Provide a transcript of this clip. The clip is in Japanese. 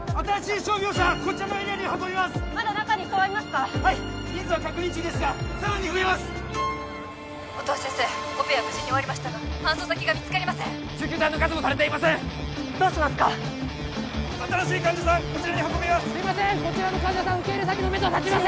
こちらの患者さん受け入れ先のメド立ちません